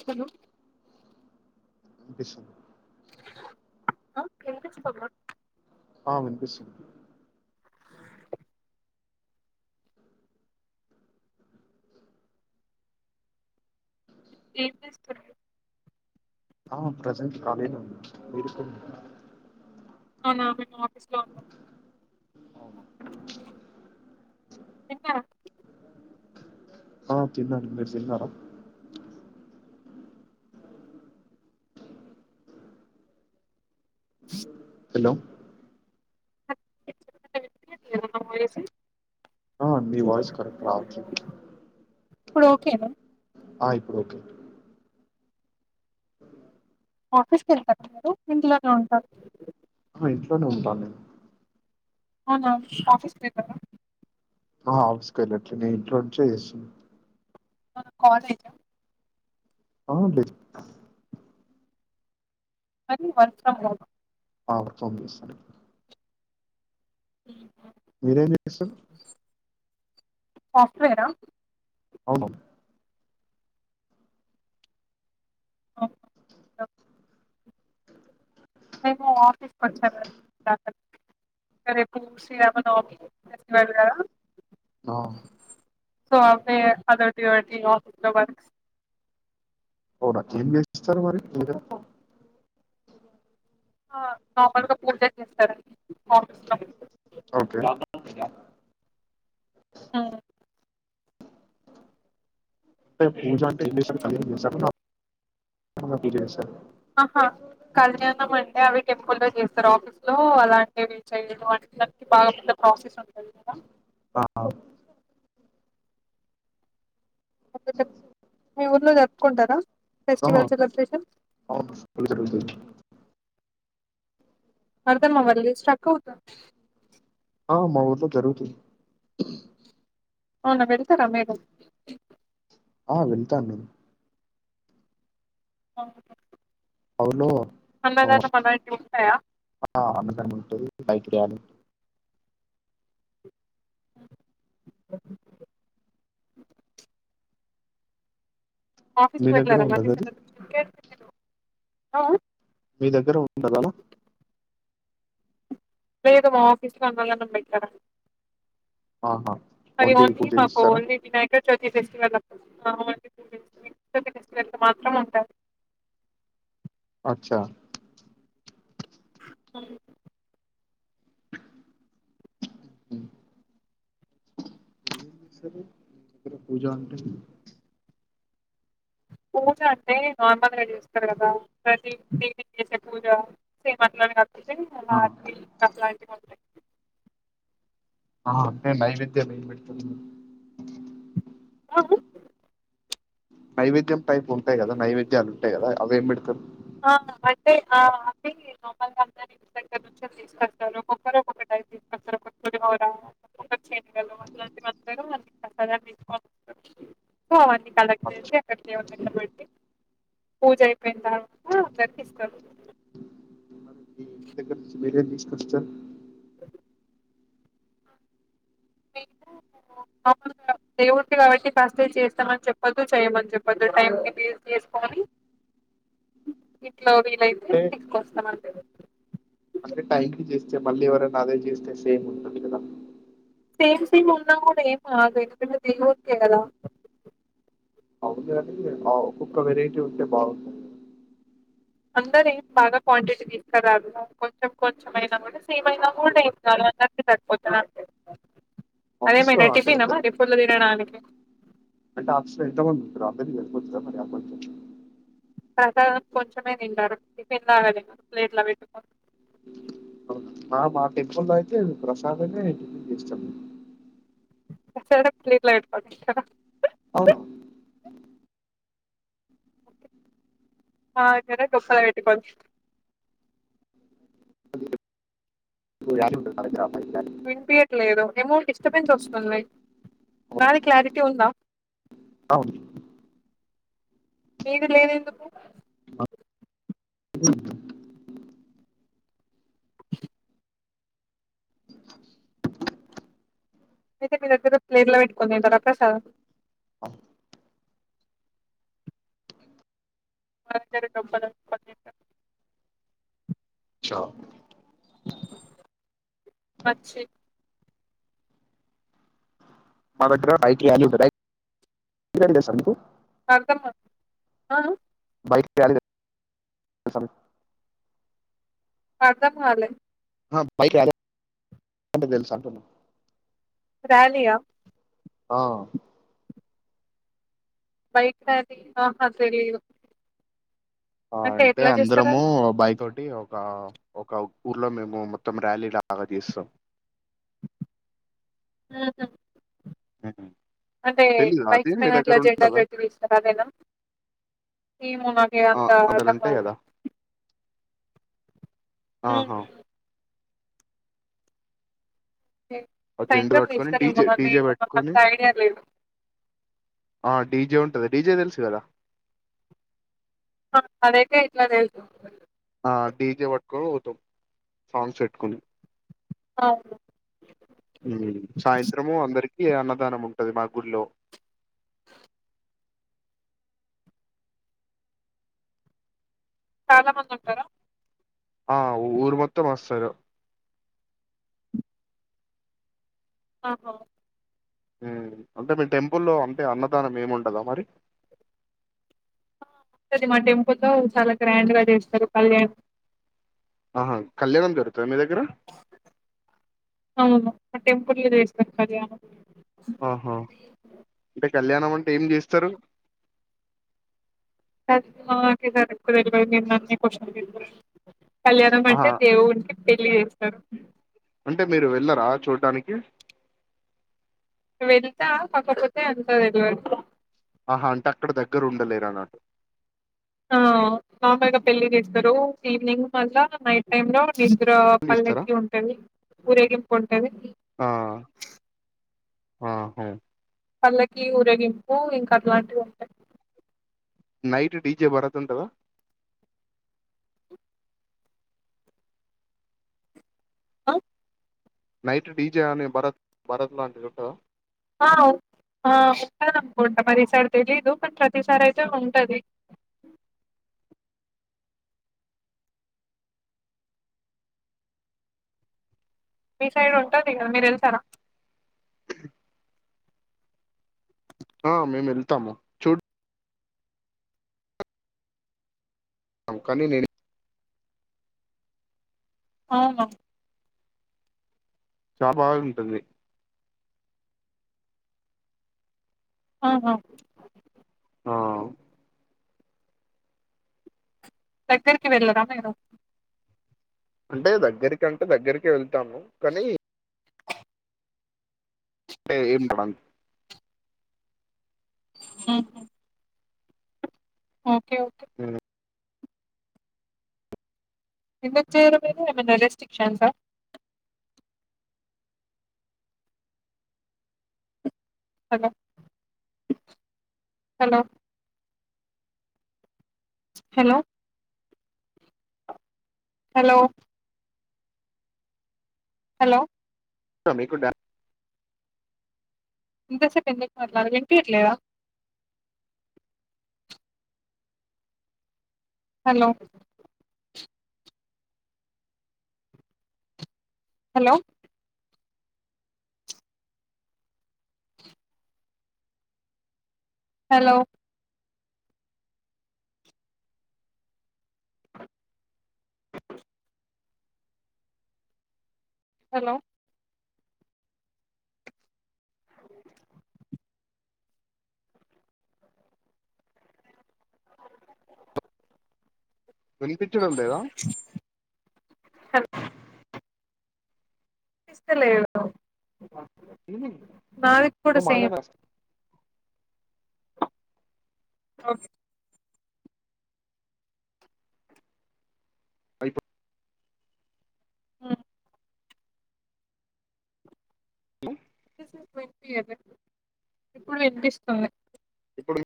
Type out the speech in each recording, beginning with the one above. Hello వినిపిస్ ఆ వినిపిస్తోందా ఆ వినుపిస్ ఇన్పిస్తోంది ఆ ప్రెజెంట్ కాలీ నే ఉన్నా మీరు [unintelligible] అవునా మేము ఆఫీస్లో ఉన్నాం తిన్నా ఆ తిన్నాను మీరు దిన్నార హలో సి మీ వయిస్ కరెక్ట్ రావట్లే ఇప్పుడు ఓకే నా ఆ ఇప్పుడు ఓకే ఆఫీస్కి వెళ్తారు మీరు ఇంట్లోనే ఉంటార ఇంట్లోనే ఉంటా నేను అవునా ఆఫీస్ కి వెళ్ళరా ఆ అస్కల్ట్లే నేను ఇంట్లోనుంచే చేస్ కాలేజా అవుండి [unintelligible] వర్క్ ఫ్రమ్ హోమ్ [unintelligible] హ్మ్ మీరేం చేస్తారు సాఫ్ట్వేరా అవును ఓ మేము ఆఫీస్కి వచ్చా [unintelligible] రేపు శ్రీరామ నవమి ఫెస్టివల్ గదా నొ సో అవే అదోటీఇదోటి ఆఫీస్లో వర్క్ అవునా ఏం చేసిస్తారు మరి మీరు నార్మల్గా పూజ చేస్తారండి ఆఫీస్ లో ఓకే ఉమ్ అంటే పూజ అంటే పూజ [inaudible] ఆహా కల్నినా మండే అవి టెంపల్ వ సార్ ఆఫీస్లో అలాంటివి చేయి అందరికి బాగా పెద్ద ప్రాసెస్ ఉంటది కదా ఆ అ మీ ఊర్లో జరుపుకుంటారా ఆ ఫెస్టివల్ సెలబ్రేషన్ అవును పూజ జరుగుతుంది అర్థమవ్వలే స్టాక్ అవుతుంది ఆ మా ఊలో జరురుతు అవునా పెడతారా మేడం ఆ విటంది అఓ అవును ఉంటాయా అ [unintelligible] అ ఆఫీస్ కి మీ దగ్గర పోయినారా ఉంటద అది [unintelligible] ఆహా మీ దగ్గర ఉండాలమా లేదు మా ఆ ఆఫీసు లో అందరు అన్నం పేటి ఆహా అది ఓన్లీ పూజ మాకు చేస్తారా ఓన్లీ వినాయక చ ఈ ఫెస్టివల్ ఫెస్టివల్ మాత్రం ఉంట అచ్చా స పూజా అంటే పూజ అంటే నార్మల్గా చేస్తారు కదా ప్రతి దేవిని చేసే పూజ సేట్ల ఆ ఇ కలా అ అంటే నైవేద్యం ఏం పెడతారు ఆ నైవేద్యం టైప్ ఉంటాయి కదా నైవేద్యాలు ఉంటాయి కదా అవే ఏమి పెడతారు అంటే ఆ అమల్గా అంద దగ్గర నుంచి తీసుకొస్తారు ఒక్కొక్కరు ఒక్కొక్కటి తీసుకొస్తారు ఒక్కరగలు అలాంటివి తీకో అవన్నీ కలెక్ట్ అచ్చా. చేసి అక్కడిడ ఎబట్టి పూజ అయిపోయిన తారు [unintelligible] ఇ [unintelligible] ఏం తీసుకొస్తారు అ అ దవు కాబట్టి ఫస్ట్ డే చేస్తామని చెప్పొద్దు చేయమని చెప్పద్దు టైంకి వేస్ చేసుకని గలో వీలయితే అంటే తీసుకొస్తాం అం అంటే టైంకి చేస్తే మళ్ళీ ఎవరైనా అదే చేస్తే సేమ్ ఉంటుంది కదా మ్ ఉన్నా కూడా ఏయి కాదు ఎట్లైనా దేవుడికి కదా అవును అడి ఒక్కొక్క వెరైటీ ఉంటే బాగుంది అందర ఏం బాగా క్వాంటిటీ తీసుకురాదు కొంచెం కొంచెంమయినా కూడా సేమ్ అయినా హోల్డ్ అయి అందరిక సరిపోతున్నా ఆఫీస్ లో అంటే ఎతారు అంటే ఆఫీస్ లో ఎంతమందిరు అందరి కు మరి పడుతు ప్రసాదం కొంచెమే తింటారు టిఫిన్ లాగాలి ప్లేట్లా పెట్టుకని ఆ మా టెంపుల్ లో అయితే ప్రసాదమే చేస్తా [unintelligible] అవును ఆక్కడ గఫాల పెటిపో [unintelligible] వినిపియట్లేదు ఏమో డిస్టబెన్స్ వస్తుంది. నాది క్లారిటీ ఉందా అవును మీది లేదెందుకు మ్మ్ అయితే మీ దగ్గర ప్లేట్లో పెట్టుకొని తింటారా ప్రసాదం మా దగ్గర డోప్పలు లో తింటం అచ్చా పచ్చి మాదగ్గర హైక్వానీ ఉంటది హైక్వ అంటే తెలుసా మీకు అర్ధం కాలేదు ఆ ఆ బైక్ ర్యాలీ అంటే తెలుసా మీకు అర్ధం కాలే ఆ బైక్ ర్యాలీ అంటే తెలుసా మీకు ర్యాలీ ఆ ఆ బైక్ ర్యాలీ ఆహా తెలియదు ఆ అంటే అందరము బైక్ తోటి ఒక ఒక ఊర్లో మేము మొత్తం ర్యాలీలాగా చేస్తాం ఆఆ మ్మ్. అంటే తెలీదా అది బైక్స్ మీ దగ్గర పైనట్లా జెండా ఉంటదా? పెట్టి తీస్తారు అదేనా ఏమో నాకు ఆ, అంత అందులో ఉంటాయి అర్థంకాలే కదా ఆహా మ్ ఆ జెండులు సైకిల్ పట్టుకొని తీస్తారెమో డీజే కానీ డీజే మా కంత పెట్టుకొని ఐడియా లేదు డిజే తెలుసు కదా ఆ అదైతే ఇట్లా తెలుసు ఆ డీజే పట్టుకొని పోతాం సాంగ్స్ పెట్టుకుని అవునా మ్ సాయంత్రము అందరికి ఏ అన్నదానం ఉంటది మా ఊరిలో చాలా మంది ఉంటారా ఆ ఊరు మొత్తం వస్తారు ఆహా మ్ అంటే మీ టెంపుల్లో అంటే అన్నదానం ఏముండదా మరి ఆ, ఉంటది మా టెంపుల్ లో చాలా గ్రాండ్ గా చేస్తారు కళ్యాణ్ ఆహా కళ్యాణం జరుపు తా మీ దగ్గర టెంపుల్లో వేస్తా అది ఆ ఆహా అంటే కళ్యాణమండ అంటే ఏం చేస్తారు సార్ మాకే సరిగ్గా తెలువదు మిమ్మల్ని క్వషన్ కళ్యాణం అంటే ఆహా దేవుణా పెళ్లి చేస్తర్ అంటే మీరు వెళ్ళరా చూడ్డానికి వెళ్తా కాకపోతే అంతది వెలివారు ఆహా అంటే అక్కడ దగ్గర ఉండలేరు అన్నట్టు ఆ మా అమ్మయిగా పెళ్లిి చేసేస్తారు ఈవినింగ్ మళ్ళ నైట్ టైమ్ లో వీగ్గ్ రా ఇస్తారా పల్లెక్కి ఉంటది ఊరేగింపు ఉంటది ఆహుం పల్లకి ఊరేగింపు ఇంకా అట్లాంటివి ఉంటాయి నైట్ డిజే భరత్ [inaudible] ఆ నైట్ డీజే అనే భరత్ భరత్ లాంటిది ఉంటదా అ ఆ ఉంటది అనుకుంటా మరీసారి తెలీదు ప ప్రతిసారి అయితే ఉంటది మీ సైడ్ ఉంటది గద మీరేఎల్తారా ఆ మేము వెళ్తాము చూడు అవు కాని నేను అవునా చాల్ బాగుం ఉంటుంది హ హ ఆ దగ్గరికి వెళ్ళరా మీరు అంటే దగ్గరి కంటే దగ్గరికి వెళ్ తాము కనీ టే ఏయిమ్ [inaudible] ఉహు అ మ్ ఎందుకు చేయిరు మీరు ఏమన్నా రెస్టిక్ [inaudible] సా hello hello hello hello hello ఆ మీక్ కూడా ఇంత సేపు ఎందుకు అట్లా [inaudible] వినిపియ్యట్లేదా హలో హలో హెలో హెలో అ కనిపించడం లేదా టర్ విన్ పిస్తా లేదు ఉహు నువ్వు మాట్లడే [inaudible] ఆ ఓకె అ మూ ఇంత సేపు వినిపియ్యలే ఇప్పుడు వినిపిస్తుంది ఇప్పుడు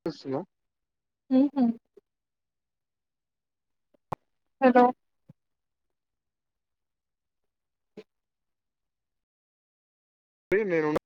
వినిపిస్తుందా ఉ హుమ్ హలో అది నేను ఉన్నా